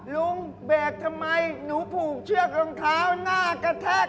เบรกทำไมหนูผูกเชือกรองเท้าหน้ากระแทก